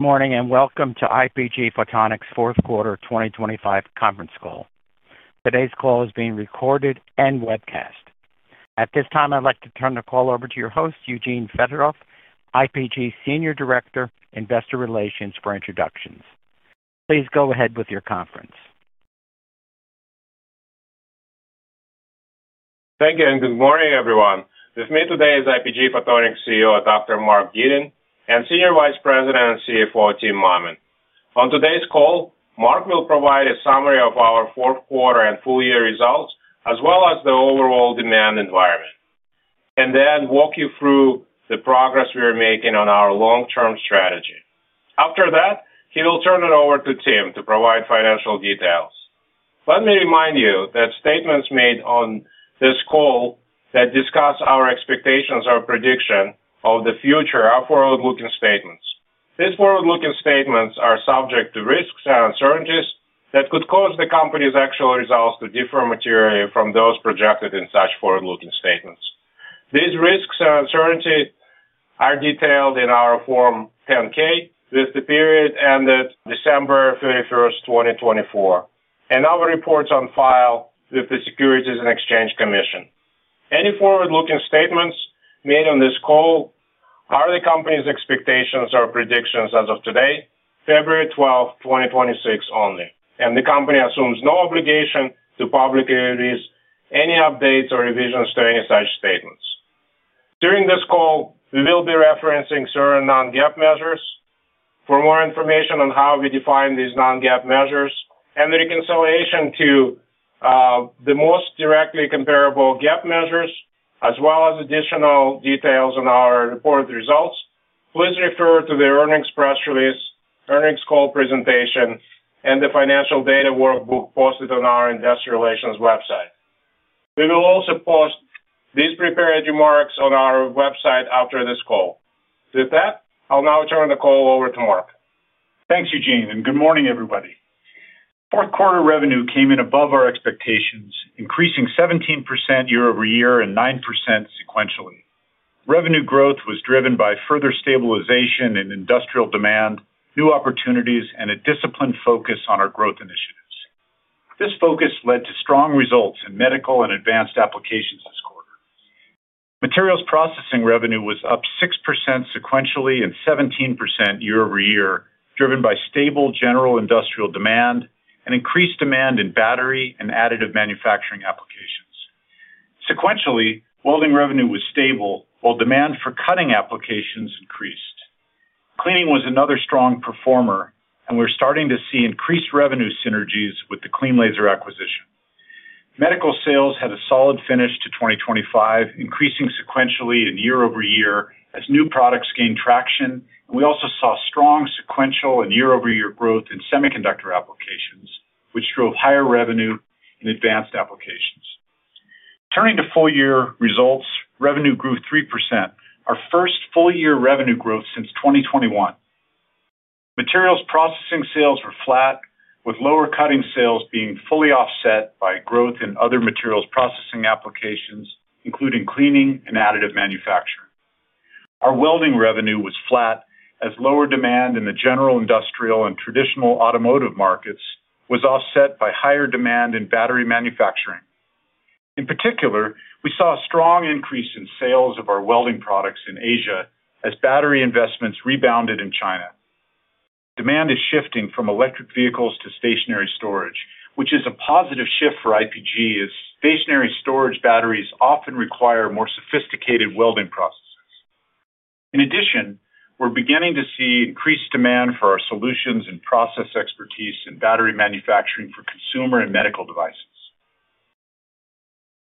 Good morning, and welcome to IPG Photonics' Fourth Quarter 2025 conference call. Today's call is being recorded and webcast. At this time, I'd like to turn the call over to your host, Eugene Fedotov, IPG Senior Director, Investor Relations, for introductions. Please go ahead with your conference. Thank you, and good morning, everyone. With me today is IPG Photonics CEO, Dr. Mark Gitin, and Senior Vice President and CFO, Tim Mammen. On today's call, Mark will provide a summary of our fourth quarter and full year results, as well as the overall demand environment, and then walk you through the progress we are making on our long-term strategy. After that, he will turn it over to Tim to provide financial details. Let me remind you that statements made on this call that discuss our expectations or prediction of the future are forward-looking statements. These forward-looking statements are subject to risks and uncertainties that could cause the company's actual results to differ materially from those projected in such forward-looking statements. These risks and uncertainties are detailed in our Form 10-K, with the period ended December 31, 2024, and our reports on file with the Securities and Exchange Commission. Any forward-looking statements made on this call are the company's expectations or predictions as of today, February 12, 2026, only, and the company assumes no obligation to publicly release any updates or revisions to any such statements. During this call, we will be referencing certain non-GAAP measures. For more information on how we define these non-GAAP measures and the reconciliation to the most directly comparable GAAP measures, as well as additional details on our reported results, please refer to the earnings press release, earnings call presentation, and the financial data workbook posted on our investor relations website. We will also post these prepared remarks on our website after this call. With that, I'll now turn the call over to Mark. Thanks, Eugene, and good morning, everybody. Fourth quarter revenue came in above our expectations, increasing 17% year-over-year and 9% sequentially. Revenue growth was driven by further stabilization in industrial demand, new opportunities, and a disciplined focus on our growth initiatives. This focus led to strong results in medical and advanced applications this quarter. Materials processing revenue was up 6% sequentially and 17% year-over-year, driven by stable general industrial demand and increased demand in battery and additive manufacturing applications. Sequentially, welding revenue was stable while demand for cutting applications increased. Cleaning was another strong performer, and we're starting to see increased revenue synergies with the cleanLASER acquisition. Medical sales had a solid finish to 2025, increasing sequentially and year-over-year as new products gained traction, and we also saw strong sequential and year-over-year growth in semiconductor applications, which drove higher revenue in advanced applications. Turning to full-year results, revenue grew 3%, our first full-year revenue growth since 2021. Materials processing sales were flat, with lower cutting sales being fully offset by growth in other materials processing applications, including cleaning and additive manufacturing. Our welding revenue was flat, as lower demand in the general industrial and traditional automotive markets was offset by higher demand in battery manufacturing. In particular, we saw a strong increase in sales of our welding products in Asia as battery investments rebounded in China. Demand is shifting from electric vehicles to stationary storage, which is a positive shift for IPG, as stationary storage batteries often require more sophisticated welding processes. In addition, we're beginning to see increased demand for our solutions and process expertise in battery manufacturing for consumer and medical devices.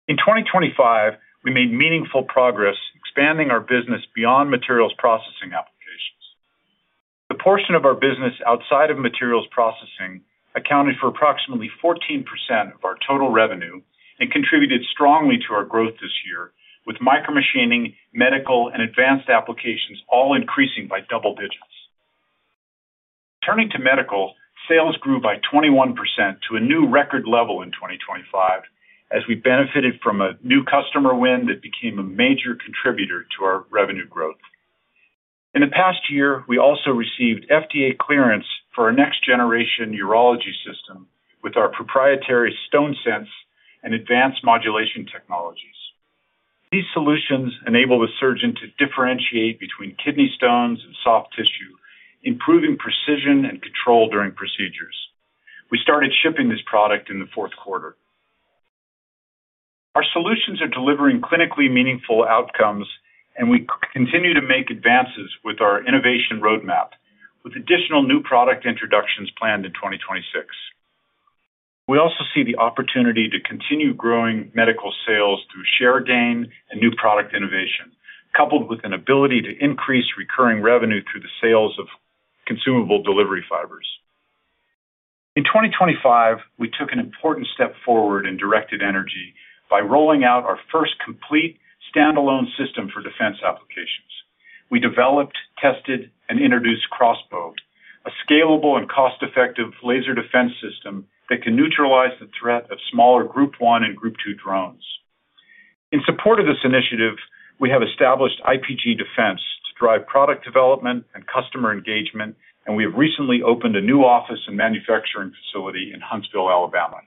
In 2025, we made meaningful progress expanding our business beyond materials processing applications. The portion of our business outside of materials processing accounted for approximately 14% of our total revenue and contributed strongly to our growth this year, with micromachining, medical, and advanced applications all increasing by double digits. Turning to medical, sales grew by 21% to a new record level in 2025, as we benefited from a new customer win that became a major contributor to our revenue growth. In the past year, we also received FDA clearance for our next-generation urology system with our proprietary StoneSense and advanced modulation technologies. These solutions enable the surgeon to differentiate between kidney stones and soft tissue, improving precision and control during procedures. We started shipping this product in the fourth quarter. Our solutions are delivering clinically meaningful outcomes, and we continue to make advances with our innovation roadmap, with additional new product introductions planned in 2026. We also see the opportunity to continue growing medical sales through share gain and new product innovation, coupled with an ability to increase recurring revenue through the sales of consumable delivery fibers. In 2025, we took an important step forward in directed energy by rolling out our first complete standalone system for defense applications. We developed, tested, and introduced Crossbow, a scalable and cost-effective laser defense system that can neutralize the threat of smaller Group One and Group Two drones. In support of this initiative, we have established IPG Defense to drive product development and customer engagement, and we have recently opened a new office and manufacturing facility in Huntsville, Alabama.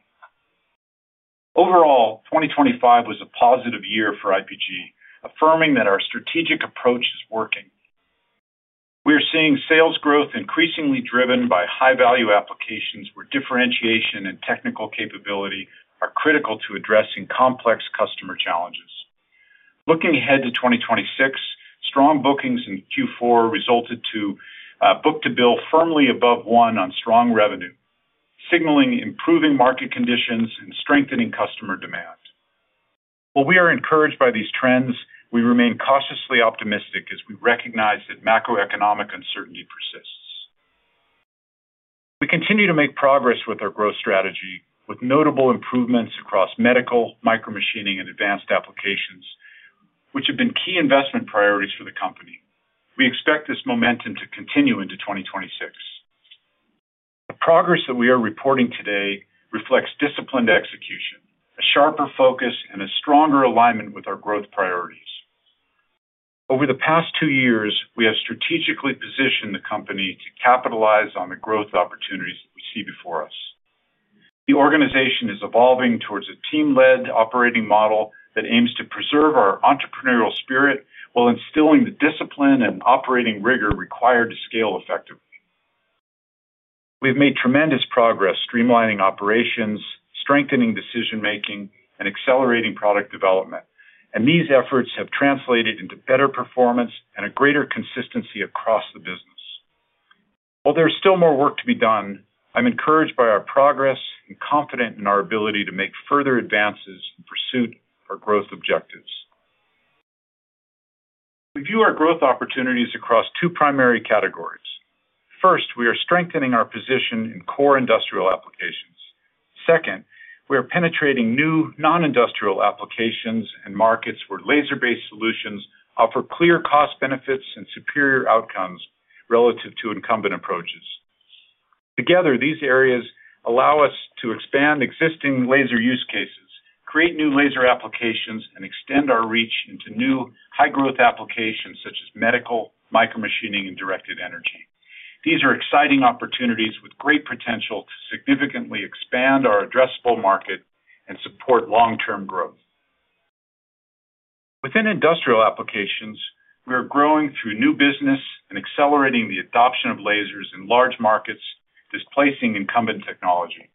Overall, 2025 was a positive year for IPG, affirming that our strategic approach is working. We're seeing sales growth increasingly driven by high-value applications, where differentiation and technical capability are critical to addressing complex customer challenges. Looking ahead to 2026, strong bookings in Q4 resulted to book-to-bill firmly above one on strong revenue, signaling improving market conditions and strengthening customer demand. While we are encouraged by these trends, we remain cautiously optimistic as we recognize that macroeconomic uncertainty persists. We continue to make progress with our growth strategy, with notable improvements across medical, micromachining, and advanced applications, which have been key investment priorities for the company. We expect this momentum to continue into 2026. The progress that we are reporting today reflects disciplined execution, a sharper focus, and a stronger alignment with our growth priorities. Over the past two years, we have strategically positioned the company to capitalize on the growth opportunities we see before us. The organization is evolving towards a team-led operating model that aims to preserve our entrepreneurial spirit while instilling the discipline and operating rigor required to scale effectively. We've made tremendous progress streamlining operations, strengthening decision-making, and accelerating product development, and these efforts have translated into better performance and a greater consistency across the business. While there's still more work to be done, I'm encouraged by our progress and confident in our ability to make further advances in pursuit of our growth objectives. We view our growth opportunities across two primary categories. First, we are strengthening our position in core industrial applications. Second, we are penetrating new non-industrial applications and markets where laser-based solutions offer clear cost benefits and superior outcomes relative to incumbent approaches. Together, these areas allow us to expand existing laser use cases, create new laser applications, and extend our reach into new high-growth applications such as medical, micromachining, and Directed Energy. These are exciting opportunities with great potential to significantly expand our addressable market and support long-term growth. Within industrial applications, we are growing through new business and accelerating the adoption of lasers in large markets, displacing incumbent technology.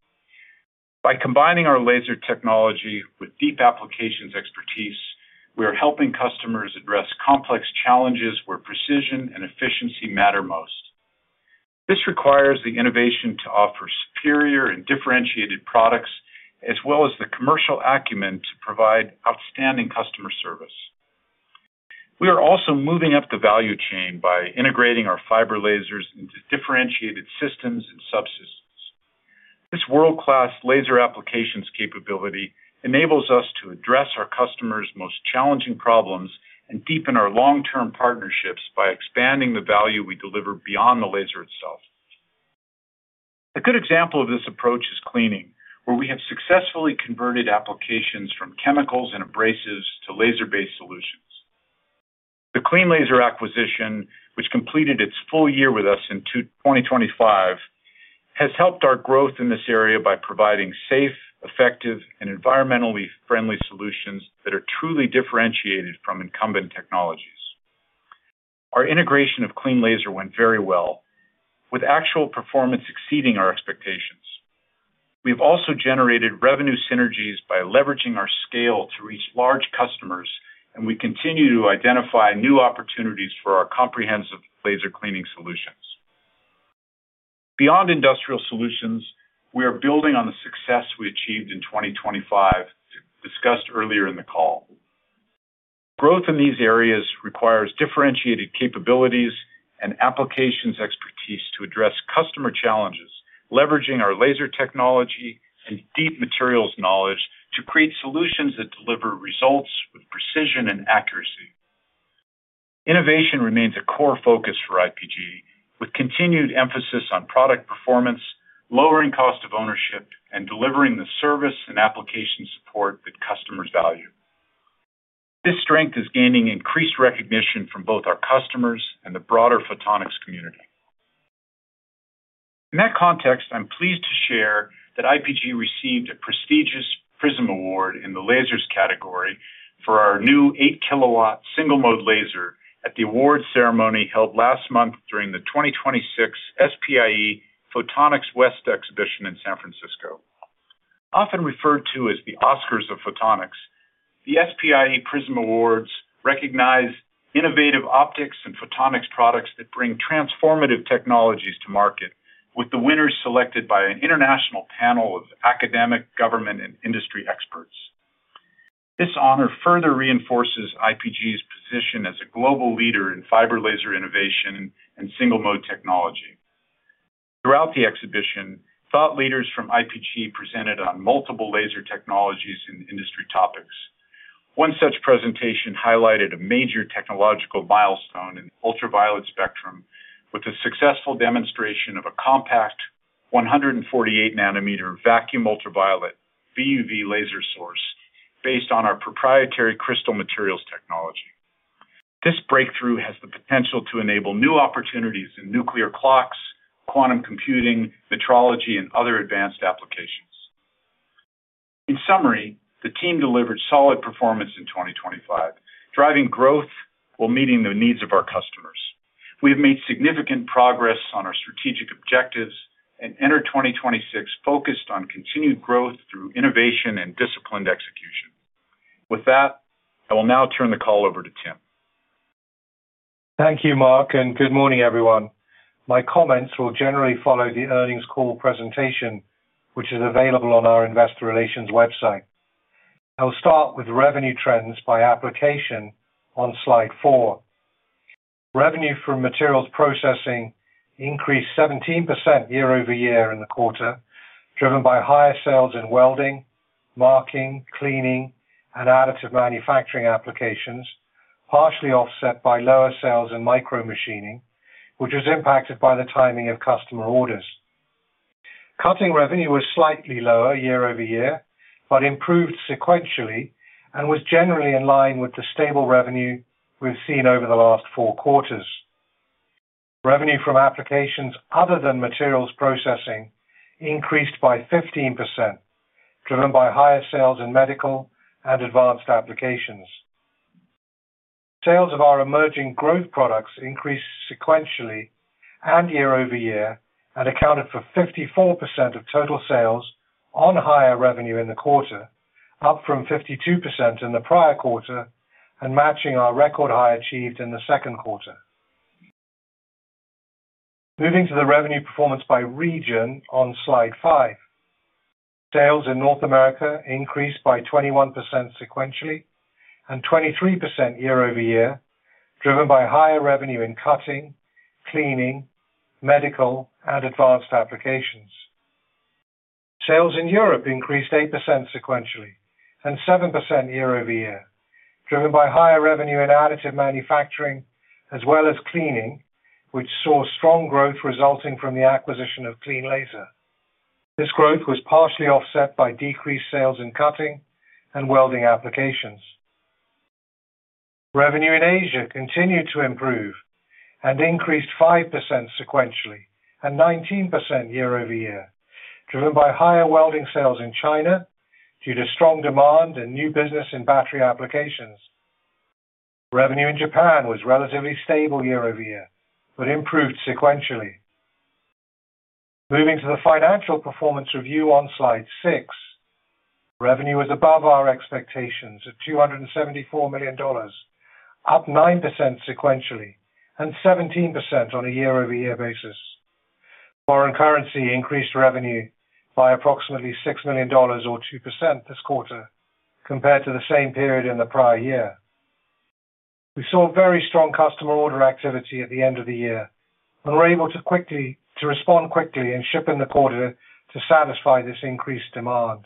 By combining our laser technology with deep applications expertise, we are helping customers address complex challenges where precision and efficiency matter most. This requires the innovation to offer superior and differentiated products, as well as the commercial acumen to provide outstanding customer service. We are also moving up the value chain by integrating our fiber lasers into differentiated systems and subsystems. This world-class laser applications capability enables us to address our customers' most challenging problems and deepen our long-term partnerships by expanding the value we deliver beyond the laser itself. A good example of this approach is cleaning, where we have successfully converted applications from chemicals and abrasives to laser-based solutions. The cleanLASER acquisition, which completed its full year with us in 2025, has helped our growth in this area by providing safe, effective, and environmentally friendly solutions that are truly differentiated from incumbent technologies. Our integration of cleanLASER went very well, with actual performance exceeding our expectations. We've also generated revenue synergies by leveraging our scale to reach large customers, and we continue to identify new opportunities for our comprehensive laser cleaning solutions. Beyond industrial solutions, we are building on the success we achieved in 2025, discussed earlier in the call. Growth in these areas requires differentiated capabilities and applications expertise to address customer challenges, leveraging our laser technology and deep materials knowledge to create solutions that deliver results with precision and accuracy. Innovation remains a core focus for IPG, with continued emphasis on product performance, lowering cost of ownership, and delivering the service and application support that customers value. This strength is gaining increased recognition from both our customers and the broader photonics community. In that context, I'm pleased to share that IPG received a prestigious Prism Award in the lasers category for our new 8-kilowatt single-mode laser at the awards ceremony held last month during the 2026 SPIE Photonics West Exhibition in San Francisco. Often referred to as the Oscars of Photonics, the SPIE Prism Awards recognize innovative optics and photonics products that bring transformative technologies to market, with the winners selected by an international panel of academic, government, and industry experts. This honor further reinforces IPG's position as a global leader in fiber laser innovation and single-mode technology. Throughout the exhibition, thought leaders from IPG presented on multiple laser technologies and industry topics. One such presentation highlighted a major technological milestone in ultraviolet spectrum, with the successful demonstration of a compact, 148 nm vacuum ultraviolet, VUV laser source, based on our proprietary crystal materials technology. This breakthrough has the potential to enable new opportunities in nuclear clocks, quantum computing, metrology, and other advanced applications. In summary, the team delivered solid performance in 2025, driving growth while meeting the needs of our customers. We have made significant progress on our strategic objectives and enter 2026 focused on continued growth through innovation and disciplined execution. With that, I will now turn the call over to Tim. Thank you, Mark, and good morning, everyone. My comments will generally follow the earnings call presentation, which is available on our investor relations website. I'll start with revenue trends by application on slide four. Revenue from materials processing increased 17% year-over-year in the quarter, driven by higher sales in welding, marking, cleaning, and additive manufacturing applications, partially offset by lower sales in micromachining, which was impacted by the timing of customer orders. Cutting revenue was slightly lower year-over-year, but improved sequentially and was generally in line with the stable revenue we've seen over the last four quarters. Revenue from applications other than materials processing increased by 15%, driven by higher sales in medical and advanced applications. Sales of our emerging growth products increased sequentially and year over year and accounted for 54% of total sales on higher revenue in the quarter, up from 52% in the prior quarter and matching our record high achieved in the second quarter. Moving to the revenue performance by region on slide five. Sales in North America increased by 21% sequentially and 23% year over year, driven by higher revenue in cutting, cleaning, medical, and advanced applications. Sales in Europe increased 8% sequentially and 7% year over year, driven by higher revenue in additive manufacturing as well as cleaning, which saw strong growth resulting from the acquisition of cleanLASER. This growth was partially offset by decreased sales in cutting and welding applications. Revenue in Asia continued to improve and increased 5% sequentially and 19% year-over-year, driven by higher welding sales in China due to strong demand and new business in battery applications. Revenue in Japan was relatively stable year-over-year, but improved sequentially. Moving to the financial performance review on slide six, revenue was above our expectations of $274 million, up 9% sequentially and 17% on a year-over-year basis. Foreign currency increased revenue by approximately $6 million or 2% this quarter compared to the same period in the prior year. We saw very strong customer order activity at the end of the year, and we were able to quickly to respond quickly and ship in the quarter to satisfy this increased demand.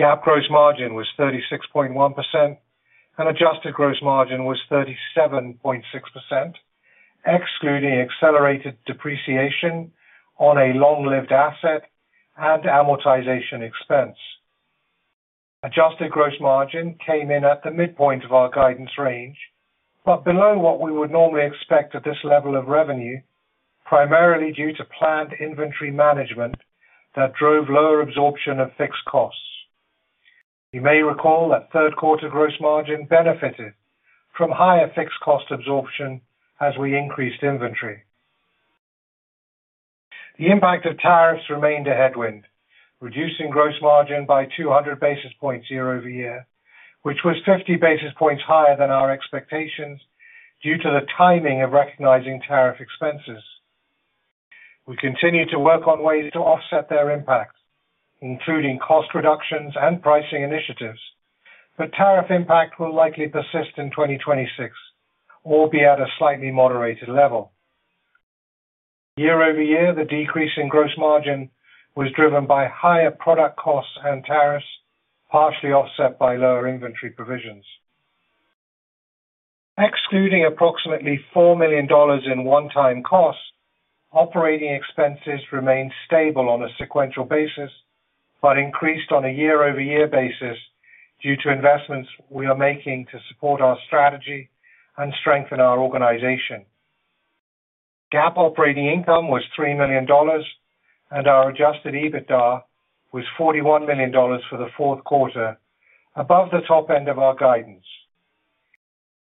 GAAP gross margin was 36.1% and adjusted gross margin was 37.6%, excluding accelerated depreciation on a long-lived asset and amortization expense. Adjusted gross margin came in at the midpoint of our guidance range, but below what we would normally expect at this level of revenue, primarily due to planned inventory management that drove lower absorption of fixed costs. You may recall that third quarter gross margin benefited from higher fixed cost absorption as we increased inventory. The impact of tariffs remained a headwind, reducing gross margin by 200 basis points year over year, which was 50 basis points higher than our expectations due to the timing of recognizing tariff expenses. We continue to work on ways to offset their impacts, including cost reductions and pricing initiatives, but tariff impact will likely persist in 2026, or be at a slightly moderated level. Year over year, the decrease in gross margin was driven by higher product costs and tariffs, partially offset by lower inventory provisions. Excluding approximately $4 million in one-time costs, operating expenses remained stable on a sequential basis, but increased on a year-over-year basis due to investments we are making to support our strategy and strengthen our organization. GAAP operating income was $3 million, and our adjusted EBITDA was $41 million for the fourth quarter, above the top end of our guidance.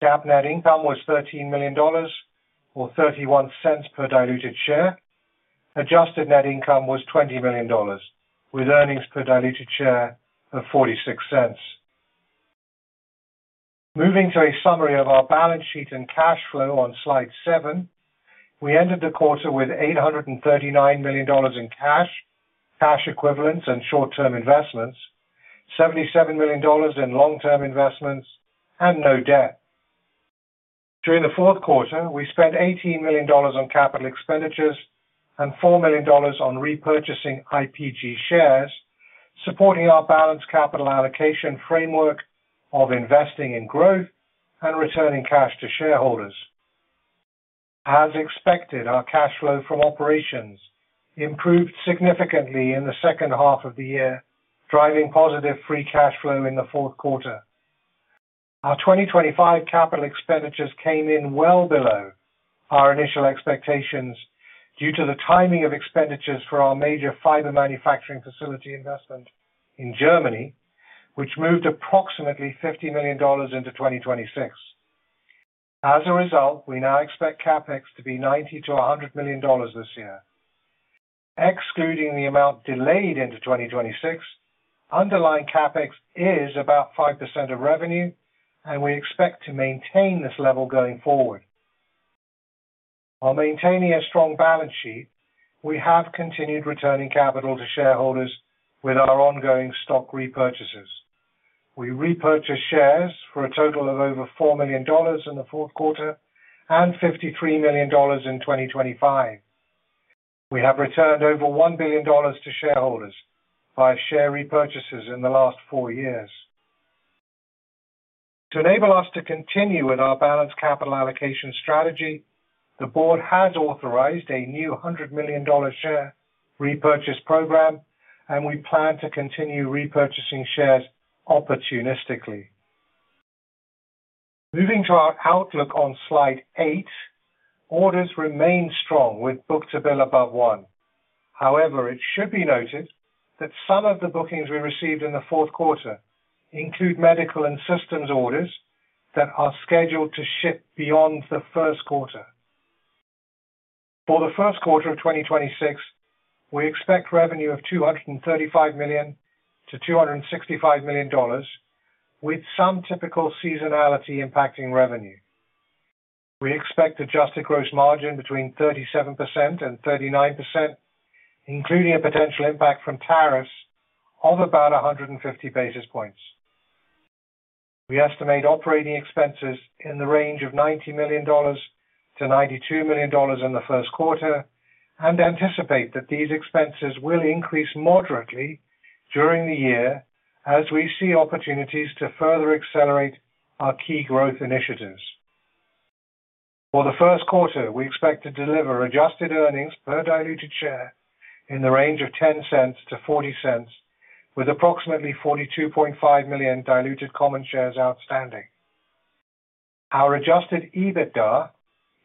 GAAP net income was $13 million or $0.31 per diluted share. Adjusted net income was $20 million, with earnings per diluted share of $0.46. Moving to a summary of our balance sheet and cash flow on slide seven, we ended the quarter with $839 million in cash, cash equivalents and short-term investments, $77 million in long-term investments and no debt. During the fourth quarter, we spent $18 million on capital expenditures and $4 million on repurchasing IPG shares supporting our balanced capital allocation framework of investing in growth and returning cash to shareholders. As expected, our cash flow from operations improved significantly in the second half of the year, driving positive free cash flow in the fourth quarter. Our 2025 capital expenditures came in well below our initial expectations due to the timing of expenditures for our major fiber manufacturing facility investment in Germany, which moved approximately $50 million into 2026. As a result, we now expect CapEx to be $90-$100 million this year. Excluding the amount delayed into 2026, underlying CapEx is about 5% of revenue, and we expect to maintain this level going forward. While maintaining a strong balance sheet, we have continued returning capital to shareholders with our ongoing stock repurchases. We repurchased shares for a total of over $4 million in the fourth quarter and $53 million in 2025. We have returned over $1 billion to shareholders via share repurchases in the last four years. To enable us to continue with our balanced capital allocation strategy, the board has authorized a new $100 million share repurchase program, and we plan to continue repurchasing shares opportunistically. Moving to our outlook on slide eight, orders remain strong with book-to-bill above one. However, it should be noted that some of the bookings we received in the fourth quarter include medical and systems orders that are scheduled to ship beyond the first quarter. For the first quarter of 2026, we expect revenue of $235 million-$265 million, with some typical seasonality impacting revenue. We expect adjusted gross margin between 37% and 39%, including a potential impact from tariffs of about 150 basis points. We estimate operating expenses in the range of $90 million-$92 million in the first quarter and anticipate that these expenses will increase moderately during the year as we see opportunities to further accelerate our key growth initiatives. For the first quarter, we expect to deliver adjusted earnings per diluted share in the range of $0.10-$0.40, with approximately 42.5 million diluted common shares outstanding. Our adjusted EBITDA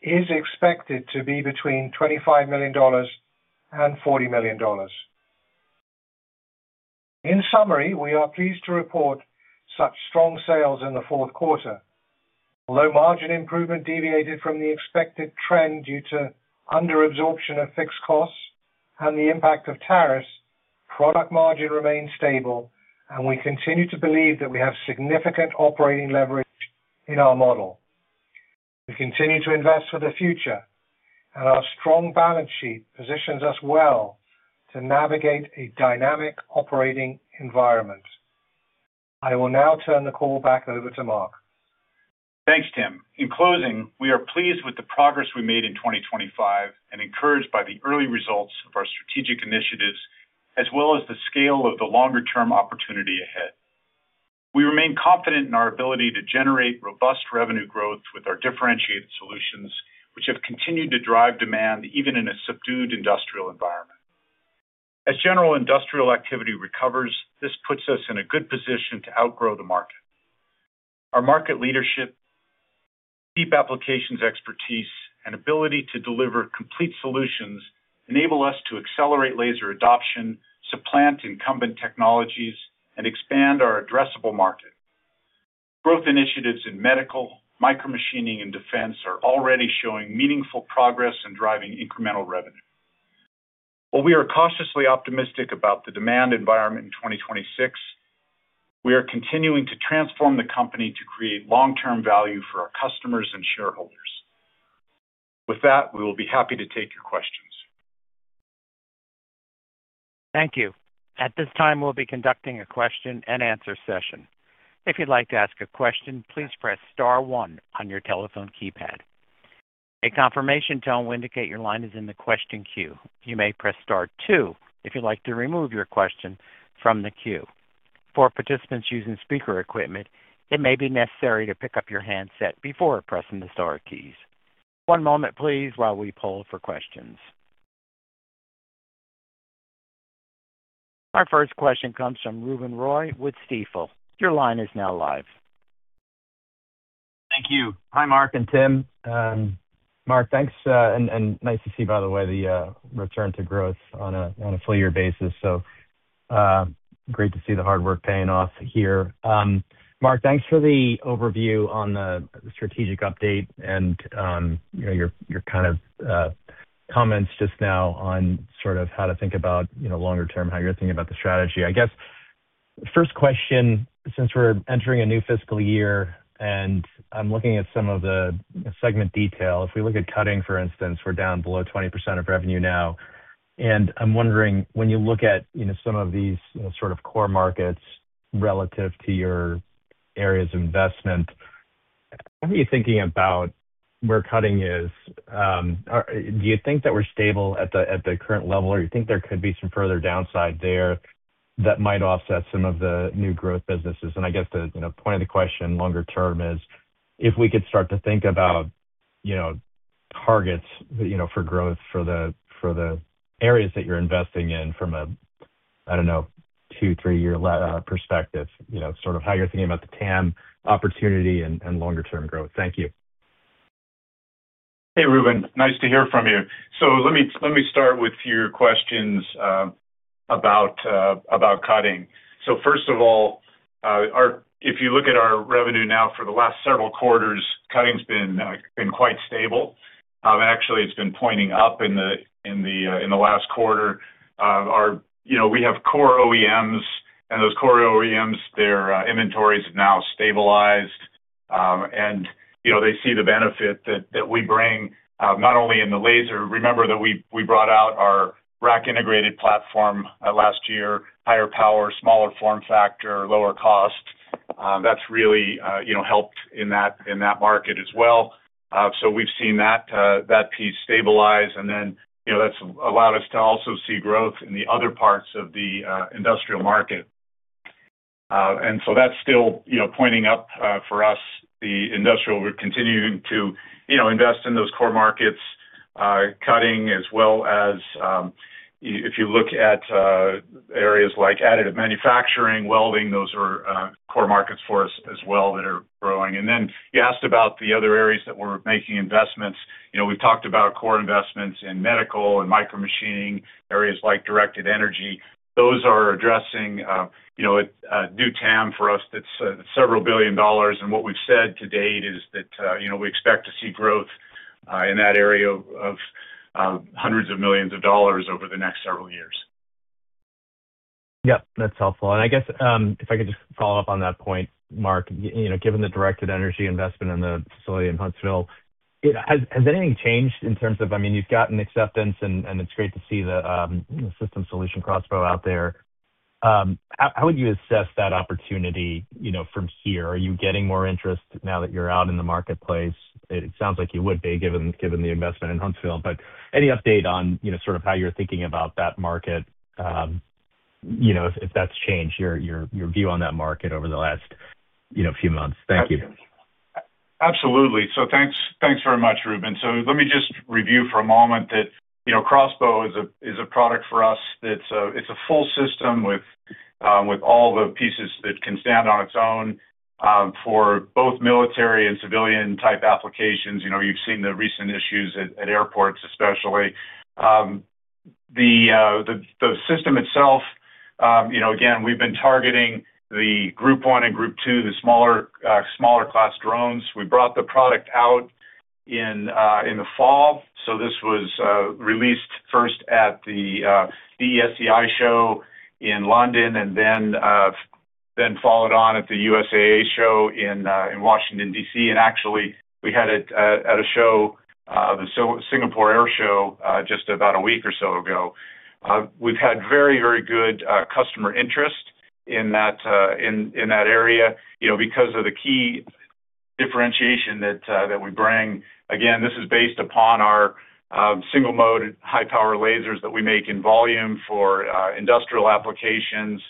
is expected to be between $25 million and $40 million. In summary, we are pleased to report such strong sales in the fourth quarter. Although margin improvement deviated from the expected trend due to under-absorption of fixed costs and the impact of tariffs, product margin remained stable, and we continue to believe that we have significant operating leverage in our model. We continue to invest for the future, and our strong balance sheet positions us well to navigate a dynamic operating environment. I will now turn the call back over to Mark. Thanks, Tim. In closing, we are pleased with the progress we made in 2025 and encouraged by the early results of our strategic initiatives, as well as the scale of the longer-term opportunity ahead. We remain confident in our ability to generate robust revenue growth with our differentiated solutions, which have continued to drive demand even in a subdued industrial environment. As general industrial activity recovers, this puts us in a good position to outgrow the market. Our market leadership, deep applications expertise, and ability to deliver complete solutions enable us to accelerate laser adoption, supplant incumbent technologies, and expand our addressable market. Growth initiatives in medical, micromachining, and defense are already showing meaningful progress in driving incremental revenue. While we are cautiously optimistic about the demand environment in 2026, we are continuing to transform the company to create long-term value for our customers and shareholders. With that, we will be happy to take your questions. Thank you. At this time, we'll be conducting a question-and-answer session. If you'd like to ask a question, please press star one on your telephone keypad. A confirmation tone will indicate your line is in the question queue. You may press star two if you'd like to remove your question from the queue. For participants using speaker equipment, it may be necessary to pick up your handset before pressing the star keys. One moment, please, while we poll for questions. Our first question comes from Ruben Roy with Stifel. Your line is now live. Thank you. Hi, Mark and Tim. Mark, thanks, and nice to see, by the way, the return to growth on a full year basis. So, great to see the hard work paying off here. Mark, thanks for the overview on the strategic update and, you know, your kind of comments just now on sort of how to think about, you know, longer term, how you're thinking about the strategy. I guess, first question, since we're entering a new fiscal year, and I'm looking at some of the segment detail, if we look at cutting, for instance, we're down below 20% of revenue now. And I'm wondering, when you look at, you know, some of these, you know, sort of core markets relative to your areas of investment... How are you thinking about where cutting is? Do you think that we're stable at the current level, or you think there could be some further downside there that might offset some of the new growth businesses? And I guess the, you know, point of the question longer term is, if we could start to think about, you know, targets, you know, for growth for the areas that you're investing in from a, I don't know, two, three-year perspective, you know, sort of how you're thinking about the TAM opportunity and longer term growth. Thank you. Hey, Ruben, nice to hear from you. So let me, let me start with your questions, about, about cutting. So first of all, our—if you look at our revenue now for the last several quarters, cutting's been, been quite stable. Actually, it's been pointing up in the, in the, in the last quarter. Our... You know, we have core OEMs, and those core OEMs, their, inventories have now stabilized. And, you know, they see the benefit that, that we bring, not only in the laser. Remember that we, we brought out our rack integrated platform, last year, higher power, smaller form factor, lower cost. That's really, you know, helped in that, in that market as well. So we've seen that piece stabilize, and then, you know, that's allowed us to also see growth in the other parts of the industrial market. And so that's still, you know, pointing up for us. The industrial, we're continuing to, you know, invest in those core markets, cutting, as well as, if you look at areas like Additive Manufacturing, welding, those are core markets for us as well that are growing. And then you asked about the other areas that we're making investments. You know, we've talked about core investments in medical and Micromachining, areas like Directed Energy. Those are addressing, you know, a new TAM for us that's $several billion, and what we've said to date is that, you know, we expect to see growth in that area of hundreds of millions of dollars over the next several years. Yep, that's helpful. And I guess if I could just follow up on that point, Mark. You know, given the Directed Energy investment in the facility in Huntsville, it has. Has anything changed in terms of, I mean, you've gotten acceptance and it's great to see the system solution Crossbow out there. How would you assess that opportunity, you know, from here? Are you getting more interest now that you're out in the marketplace? It sounds like you would be, given the investment in Huntsville. But any update on, you know, sort of how you're thinking about that market, you know, if that's changed your view on that market over the last few months? Thank you. Absolutely. So thanks, thanks very much, Ruben. So let me just review for a moment that, you know, Crossbow is a product for us that's, it's a full system with all the pieces that can stand on its own for both military and civilian-type applications. You know, you've seen the recent issues at airports, especially. The system itself, you know, again, we've been targeting the Group One and Group Two, the smaller class drones. We brought the product out in the fall, so this was released first at the DSEI show in London, and then followed on at the U.S.A show in Washington, D.C. And actually, we had it at a show, the Singapore Airshow, just about a week or so ago. We've had very, very good customer interest in that area, you know, because of the key differentiation that we bring. Again, this is based upon our single mode, high power lasers that we make in volume for industrial applications,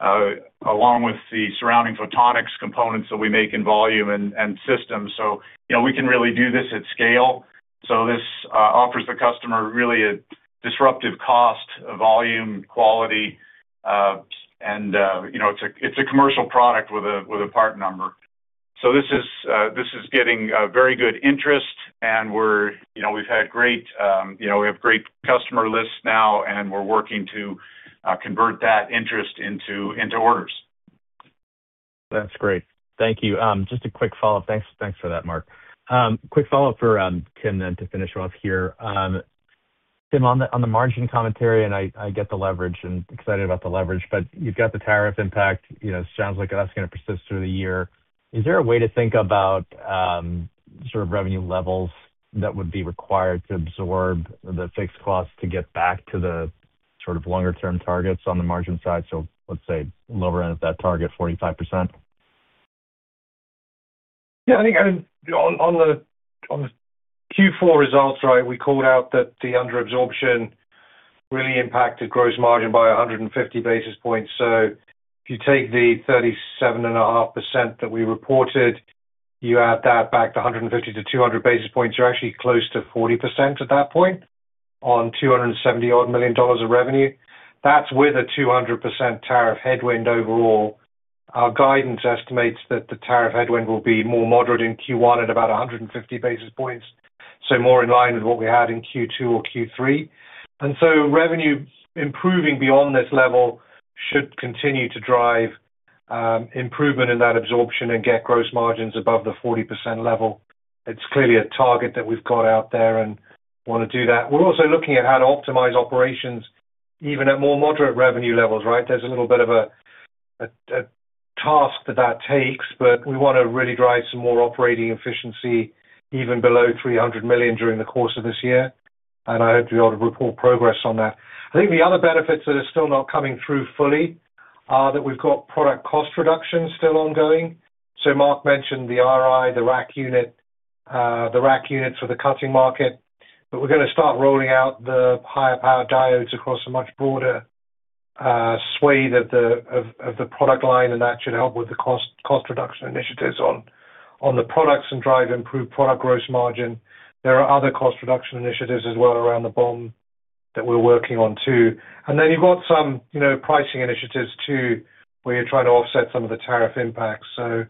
along with the surrounding photonics components that we make in volume and systems. So, you know, we can really do this at scale. So this offers the customer really a disruptive cost, volume, quality, and, you know, it's a commercial product with a part number. So this is getting very good interest, and we're, you know, we've had great, you know, we have great customer lists now, and we're working to convert that interest into orders. That's great. Thank you. Just a quick follow-up. Thanks, thanks for that, Mark. Quick follow-up for Tim, then, to finish off here. Tim, on the margin commentary, and I, I get the leverage and excited about the leverage, but you've got the tariff impact. You know, it sounds like that's gonna persist through the year. Is there a way to think about sort of revenue levels that would be required to absorb the fixed costs to get back to the sort of longer term targets on the margin side, so let's say, lower end of that target, 45%? Yeah, I think, on the Q4 results, right, we called out that the under absorption really impacted gross margin by 150 basis points. So if you take the 37.5% that we reported, you add that back to 150-200 basis points, you're actually close to 40% at that point, on $270 million of revenue. That's with a 200% tariff headwind overall. Our guidance estimates that the tariff headwind will be more moderate in Q1 at about 150 basis points, so more in line with what we had in Q2 or Q3. And so revenue improving beyond this level should continue to drive, improvement in that absorption and get gross margins above the 40% level. It's clearly a target that we've got out there and wanna do that. We're also looking at how to optimize operations, even at more moderate revenue levels, right? There's a little bit of a task that that takes, but we want to really drive some more operating efficiency even below $300 million during the course of this year, and I hope to be able to report progress on that. I think the other benefits that are still not coming through fully-... that we've got product cost reduction still ongoing. So Mark mentioned the RI, the rack unit, the rack unit for the cutting market, but we're gonna start rolling out the higher power diodes across a much broader, suite of the, of, of the product line, and that should help with the cost, cost reduction initiatives on, on the products and drive improved product gross margin. There are other cost reduction initiatives as well around the BOM that we're working on too. And then you've got some, you know, pricing initiatives too, where you're trying to offset some of the tariff impacts. So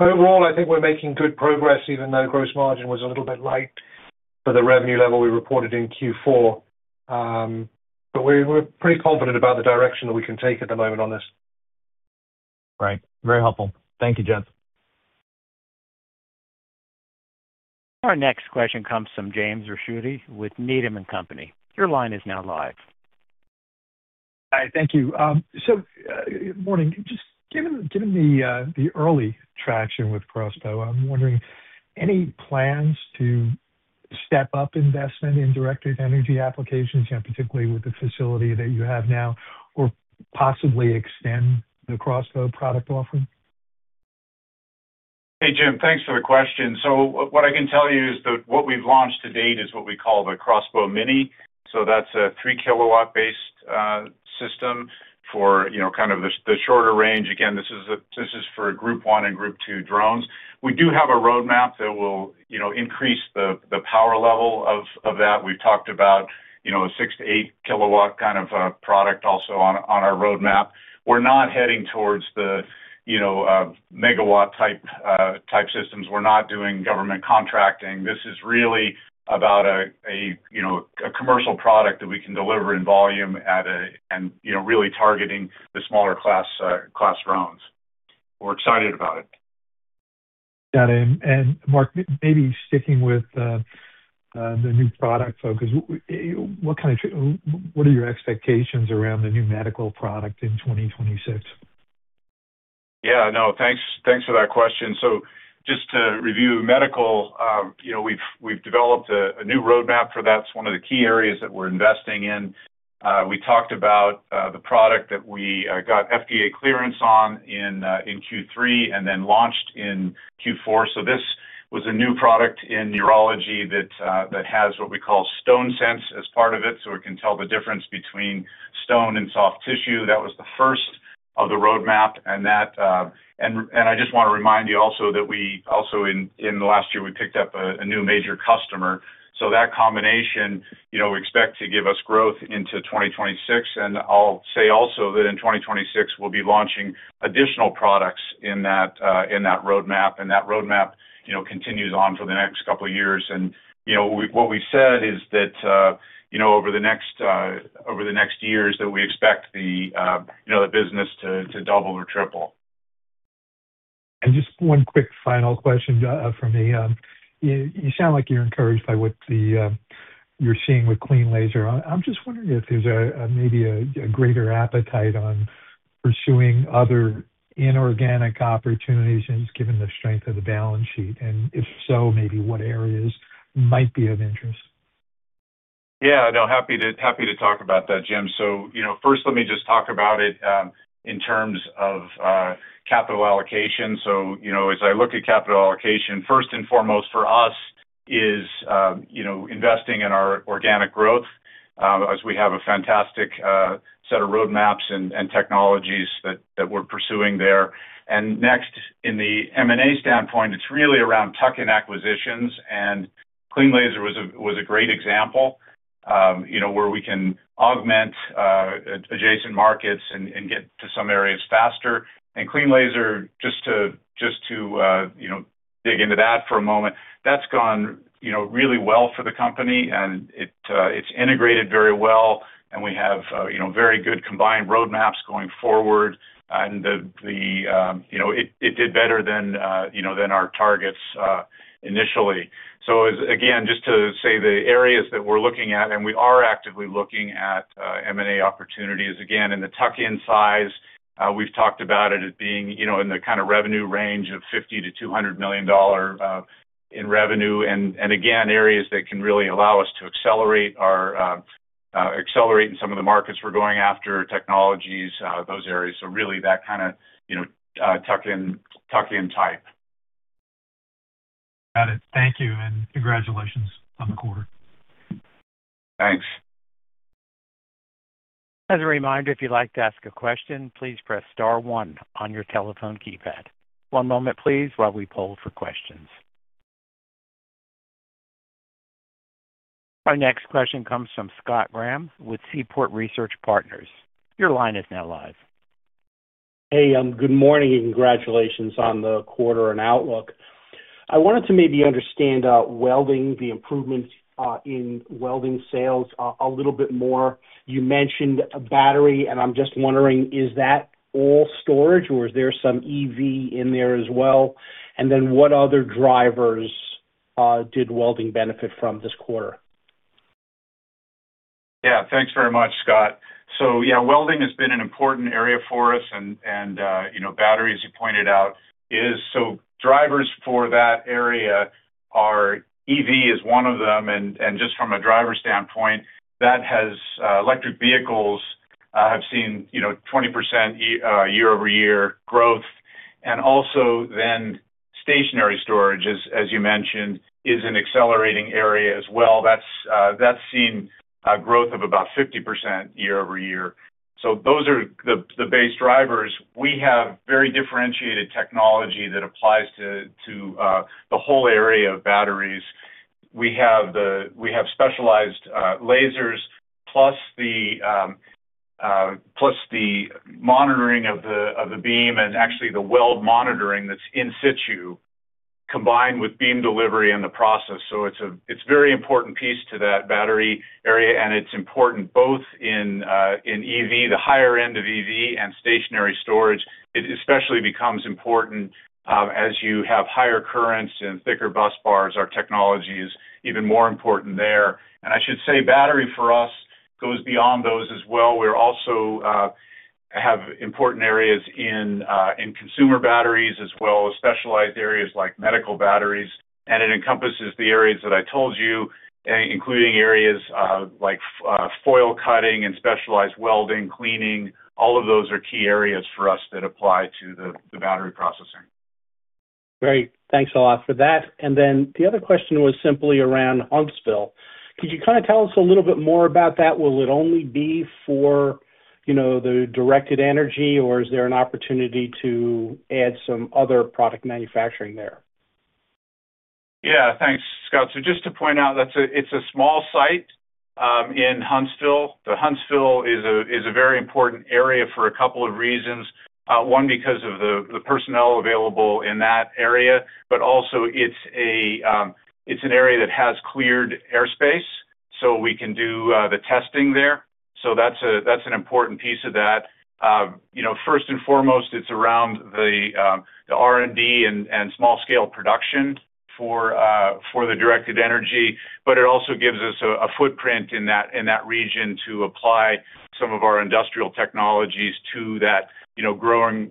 overall, I think we're making good progress, even though gross margin was a little bit light for the revenue level we reported in Q4. But we're pretty confident about the direction that we can take at the moment on this. Great. Very helpful. Thank you, Tim. Our next question comes from James Ricchiuti with Needham and Company. Your line is now live. Hi, thank you. So, morning. Just given the early traction with Crossbow, I'm wondering, any plans to step up investment in Directed Energy applications, and particularly with the facility that you have now, or possibly extend the Crossbow product offering? Hey, James, thanks for the question. So what I can tell you is that what we've launched to date is what we call the Crossbow Mini. So that's a 3 KW based system for, you know, kind of the shorter range. Again, this is for Group One and Group Two drones. We do have a roadmap that will, you know, increase the power level of that. We've talked about, you know, a 6-8 KW kind of product also on our roadmap. We're not heading towards the, you know, megawatt-type systems. We're not doing government contracting. This is really about a commercial product that we can deliver in volume at a... and, you know, really targeting the smaller class drones. We're excited about it. Got it. And Mark, maybe sticking with the new product focus, what are your expectations around the new medical product in 2026? Yeah, no, thanks, thanks for that question. So just to review medical, you know, we've developed a new roadmap, for that's one of the key areas that we're investing in. We talked about the product that we got FDA clearance on in Q3 and then launched in Q4. So this was a new product in neurology that has what we call StoneSense as part of it, so it can tell the difference between stone and soft tissue. That was the first of the roadmap, and I just wanna remind you also that we also, in the last year, we picked up a new major customer. So that combination, you know, we expect to give us growth into 2026. I'll say also that in 2026, we'll be launching additional products in that roadmap, and that roadmap, you know, continues on for the next couple of years. You know, what we've said is that, you know, over the next years, that we expect, you know, the business to double or triple. Just one quick final question from me. You sound like you're encouraged by what you're seeing with cleanLASER. I'm just wondering if there's maybe a greater appetite on pursuing other inorganic opportunities, given the strength of the balance sheet, and if so, maybe what areas might be of interest? Yeah, no, happy to, happy to talk about that, James. So, you know, first, let me just talk about it in terms of capital allocation. So, you know, as I look at capital allocation, first and foremost for us is you know, investing in our organic growth as we have a fantastic set of roadmaps and, and technologies that, that we're pursuing there. And next, in the M&A standpoint, it's really around tuck-in acquisitions, and cleanLASER was a, was a great example, you know, where we can augment adjacent markets and, and get to some areas faster. And cleanLASER, just to, just to, you know, dig into that for a moment, that's gone, you know, really well for the company, and it, it's integrated very well, and we have, you know, very good combined roadmaps going forward. The, you know, it did better than, you know, than our targets initially. So as, again, just to say, the areas that we're looking at, and we are actively looking at, M&A opportunities, again, in the tuck-in size, we've talked about it as being, you know, in the kind of revenue range of $50-$200 million in revenue. And, and again, areas that can really allow us to accelerate our, accelerate in some of the markets we're going after, technologies, those areas. So really that kind of, you know, tuck-in, tuck-in type. Got it. Thank you, and congratulations on the quarter. Thanks. As a reminder, if you'd like to ask a question, please press star one on your telephone keypad. One moment please while we poll for questions. Our next question comes from Scott Graham with Seaport Research Partners. Your line is now live. Hey, good morning, and congratulations on the quarter and outlook. I wanted to maybe understand, welding, the improvements, in welding sales, a little bit more. You mentioned a battery, and I'm just wondering, is that all storage, or is there some EV in there as well? And then, what other drivers, did welding benefit from this quarter? Yeah. Thanks very much, Scott. So yeah, welding has been an important area for us and you know, battery, as you pointed out, is. So drivers for that area. Our EV is one of them, and just from a driver standpoint, that has electric vehicles have seen, you know, 20% year-over-year growth. And also then stationary storage, as you mentioned, is an accelerating area as well. That's, that's seen a growth of about 50% year-over-year. So those are the base drivers. We have very differentiated technology that applies to the whole area of batteries. We have specialized lasers, plus the monitoring of the beam and actually the weld monitoring that's in situ, combined with beam delivery in the process. So it's a very important piece to that battery area, and it's important both in EV, the higher end of EV, and stationary storage. It especially becomes important as you have higher currents and thicker busbars. Our technology is even more important there. And I should say battery for us goes beyond those as well. We're also have important areas in consumer batteries, as well as specialized areas like medical batteries. And it encompasses the areas that I told you, including areas like foil cutting and specialized welding, cleaning. All of those are key areas for us that apply to the battery processing. Great. Thanks a lot for that. And then the other question was simply around Huntsville. Could you kind of tell us a little bit more about that? Will it only be for, you know, the directed energy, or is there an opportunity to add some other product manufacturing there? Yeah, thanks, Scott. So just to point out, that's a small site in Huntsville. Huntsville is a very important area for a couple of reasons. One, because of the personnel available in that area, but also it's an area that has cleared airspace, so we can do the testing there. So that's an important piece of that. You know, first and foremost, it's around the R&D and small-scale production for the Directed Energy, but it also gives us a footprint in that region to apply some of our industrial technologies to that, you know, growing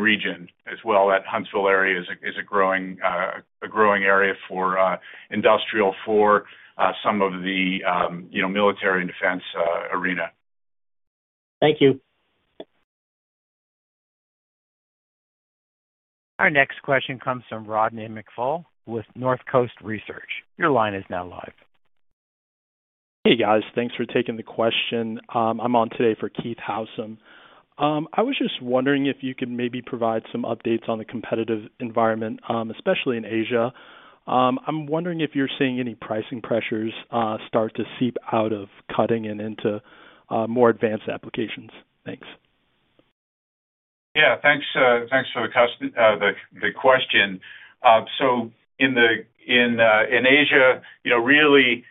region as well. That Huntsville area is a growing area for some of the, you know, military and defense arena. Thank you. Our next question comes from Rodney McFall with North Coast Research. Your line is now live. Hey, guys. Thanks for taking the question. I'm on today for Keith Howsam. I was just wondering if you could maybe provide some updates on the competitive environment, especially in Asia. I'm wondering if you're seeing any pricing pressures start to seep out of cutting and into more advanced applications. Thanks. Yeah, thanks, thanks for the question. So in Asia, you know, really,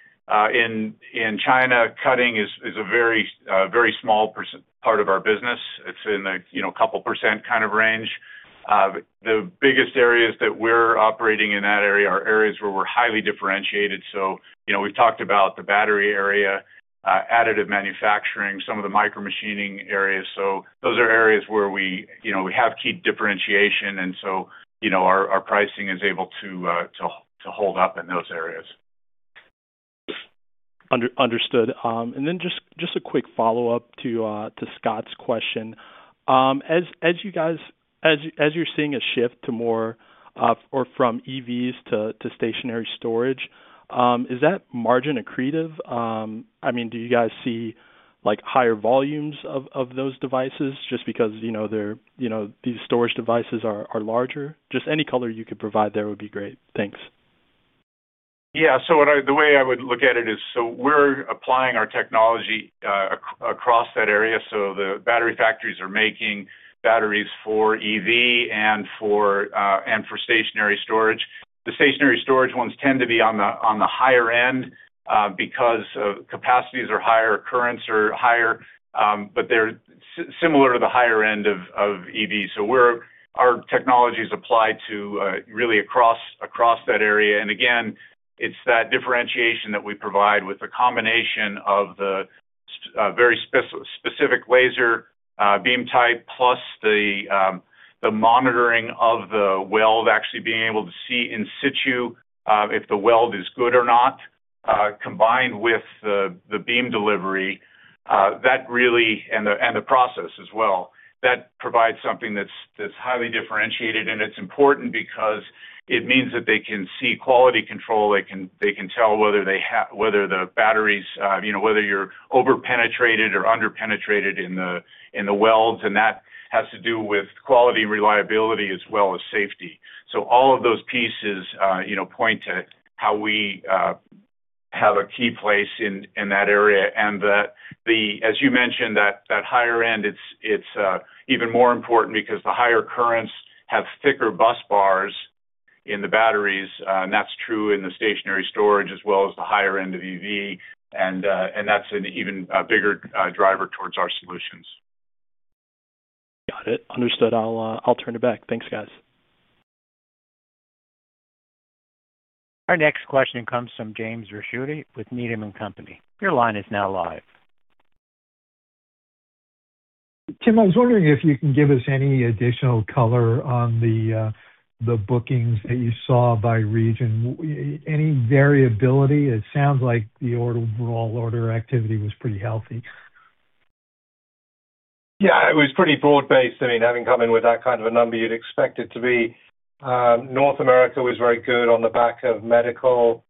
in China, cutting is a very small part of our business. It's in a couple percent kind of range. The biggest areas that we're operating in that area are areas where we're highly differentiated. So, you know, we've talked about the battery area, additive manufacturing, some of the micromachining areas. So those are areas where we, you know, we have key differentiation, and so, you know, our pricing is able to hold up in those areas. Understood. And then just a quick follow-up to Scott's question. As you're seeing a shift to more or from EVs to stationary storage, is that margin accretive? I mean, do you guys see, like, higher volumes of those devices just because, you know, they're, you know, these storage devices are larger? Just any color you could provide there would be great. Thanks. Yeah. The way I would look at it is, so we're applying our technology across that area, so the battery factories are making batteries for EV and for and for stationary storage. The stationary storage ones tend to be on the higher end because capacities are higher, currents are higher, but they're similar to the higher end of EV. Our technology is applied to really across across that area. And again, it's that differentiation that we provide with the combination of the very specific laser beam type, plus the the monitoring of the weld, actually being able to see in situ if the weld is good or not, combined with the the beam delivery that really... And the process as well, that provides something that's highly differentiated, and it's important because it means that they can see quality control, they can tell whether they have—whether the batteries, you know, whether you're over-penetrated or under-penetrated in the welds, and that has to do with quality and reliability, as well as safety. So all of those pieces, you know, point to how we have a key place in that area. And as you mentioned, that higher end, it's even more important because the higher currents have thicker busbars in the batteries, and that's true in the stationary storage as well as the higher end of EV. And that's an even bigger driver towards our solutions. Got it. Understood. I'll, I'll turn it back. Thanks, guys. Our next question comes from James Ricchiuti with Needham & Company. Your line is now live.... Tim, I was wondering if you can give us any additional color on the bookings that you saw by region. Any variability? It sounds like the overall order activity was pretty healthy. Yeah, it was pretty broad-based. I mean, having come in with that kind of a number, you'd expect it to be. North America was very good on the back of medical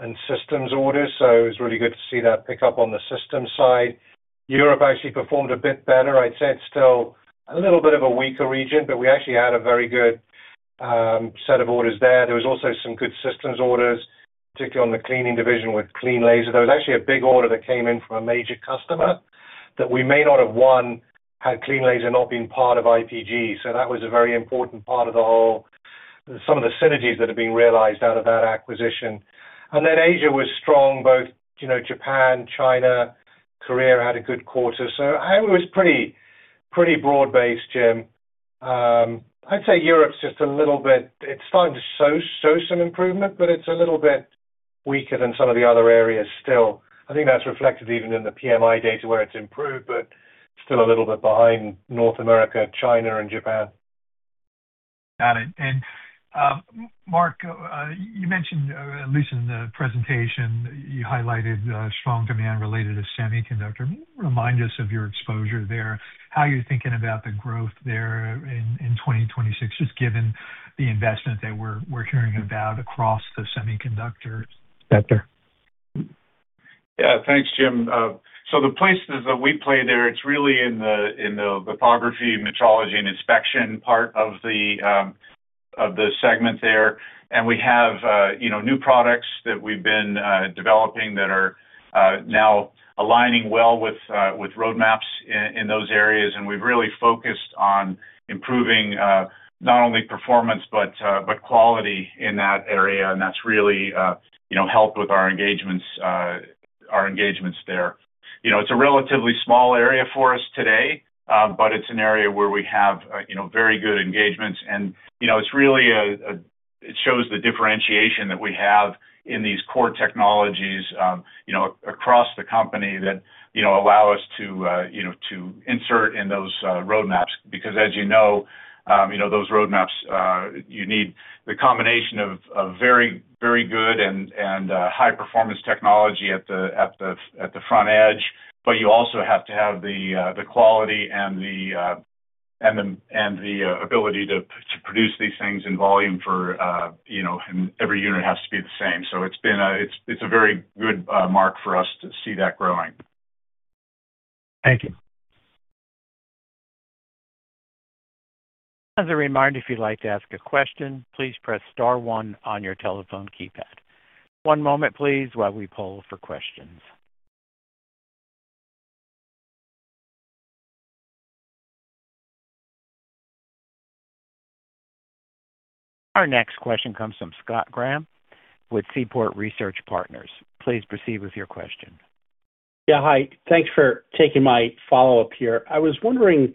and systems orders, so it was really good to see that pick up on the systems side. Europe actually performed a bit better. I'd say it's still a little bit of a weaker region, but we actually had a very good set of orders there. There was also some good systems orders, particularly on the cleaning division with cleanLASER. There was actually a big order that came in from a major customer that we may not have won, had cleanLASER not been part of IPG. So that was a very important part of the whole, some of the synergies that are being realized out of that acquisition. Then Asia was strong, both, you know, Japan, China, Korea had a good quarter, so it was pretty broad-based, James. I'd say Europe's just a little bit... It's starting to show some improvement, but it's a little bit weaker than some of the other areas still. I think that's reflected even in the PMI data, where it's improved, but still a little bit behind North America, China and Japan. Got it. Mark, you mentioned, at least in the presentation, you highlighted strong demand related to semiconductor. Remind us of your exposure there. How you're thinking about the growth there in 2026, just given the investment that we're hearing about across the semiconductor sector? Yeah, thanks, Jim. So the places that we play there, it's really in the lithography, metrology, and inspection part of the segment there. And we have, you know, new products that we've been developing that are now aligning well with roadmaps in those areas. And we've really focused on improving not only performance, but quality in that area, and that's really, you know, helped with our engagements there. You know, it's a relatively small area for us today, but it's an area where we have, you know, very good engagements. And, you know, it's really, it shows the differentiation that we have in these core technologies, you know, across the company that, you know, allow us to, you know, to insert in those roadmaps. Because, as you know, you know, those roadmaps, you need the combination of very, very good and high performance technology at the front edge. But you also have to have the quality and the ability to produce these things in volume for, you know, and every unit has to be the same. So it's been a, it's a very good mark for us to see that growing. Thank you. As a reminder, if you'd like to ask a question, please press star one on your telephone keypad. One moment, please, while we poll for questions. Our next question comes from Scott Graham with Seaport Research Partners. Please proceed with your question. Yeah, hi. Thanks for taking my follow-up here. I was wondering,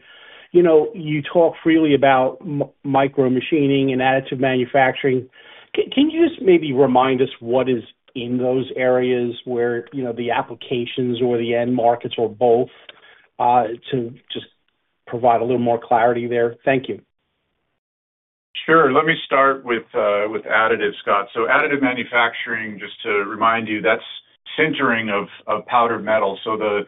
you know, you talk freely about micromachining and additive manufacturing. Can you just maybe remind us what is in those areas where, you know, the applications or the end markets or both, to just provide a little more clarity there? Thank you. Sure. Let me start with additive, Scott. So additive manufacturing, just to remind you, that's sintering of powdered metal. So the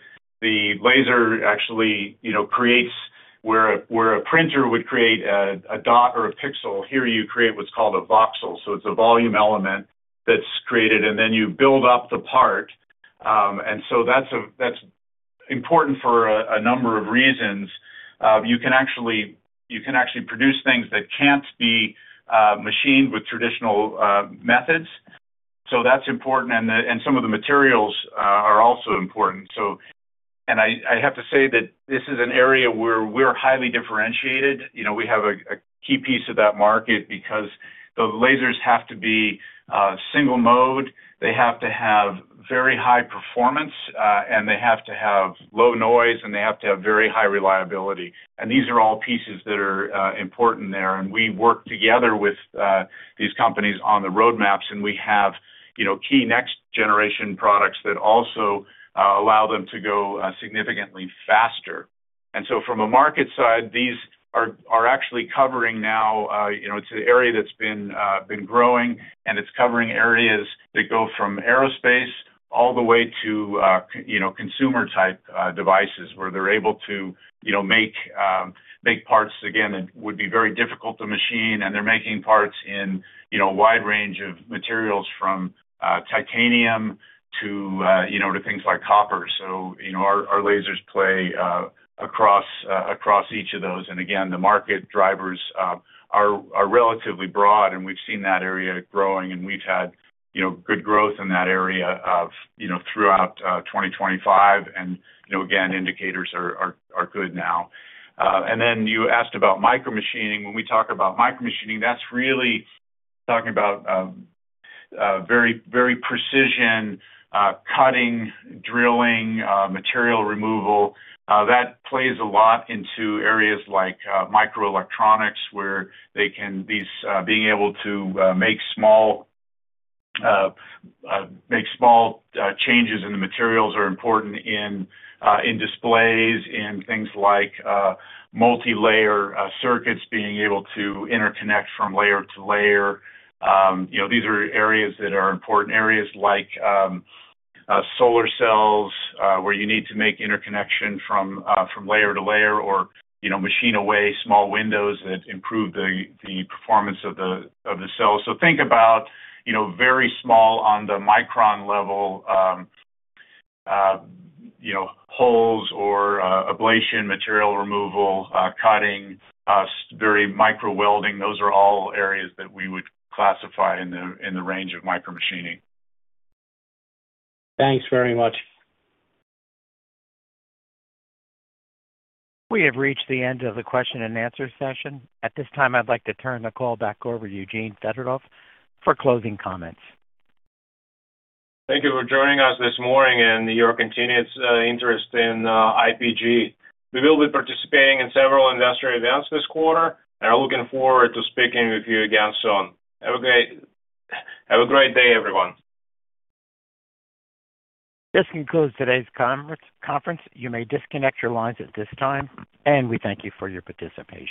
laser actually, you know, creates where a printer would create a dot or a pixel, here you create what's called a voxel. So it's a volume element that's created, and then you build up the part. And so that's important for a number of reasons. You can actually produce things that can't be machined with traditional methods, so that's important. And some of the materials are also important. So... And I have to say that this is an area where we're highly differentiated. You know, we have a key piece of that market because the lasers have to be single mode, they have to have very high performance, and they have to have low noise, and they have to have very high reliability. And these are all pieces that are important there. And we work together with these companies on the roadmaps, and we have, you know, key next generation products that also allow them to go significantly faster. And so from a market side, these are actually covering now, you know, it's an area that's been growing, and it's covering areas that go from aerospace all the way to, you know, consumer type devices, where they're able to, you know, make parts again, that would be very difficult to machine. They're making parts in, you know, a wide range of materials from titanium to, you know, to things like copper. So, you know, our lasers play across each of those. And again, the market drivers are relatively broad, and we've seen that area growing, and we've had, you know, good growth in that area of, you know, throughout 2025. And, you know, again, indicators are good now. And then you asked about micromachining. When we talk about micromachining, that's really talking about very, very precision cutting, drilling, material removal. That plays a lot into areas like microelectronics, where they can... These being able to make small changes in the materials are important in displays, in things like multilayer circuits, being able to interconnect from layer to layer. You know, these are areas that are important. Areas like solar cells, where you need to make interconnection from layer to layer or, you know, machine away small windows that improve the performance of the cells. So think about, you know, very small on the micron level, you know, holes or ablation, material removal, cutting, very micro welding. Those are all areas that we would classify in the range of micromachining. Thanks very much. We have reached the end of the question and answer session. At this time, I'd like to turn the call back over to Eugene Fedotov for closing comments. Thank you for joining us this morning and your continuous interest in IPG. We will be participating in several industry events this quarter, and are looking forward to speaking with you again soon. Have a great day, everyone. This concludes today's conference. You may disconnect your lines at this time, and we thank you for your participation.